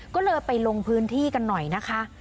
ก็เลยไปลงพื้นที่กันหน่อยนะคะ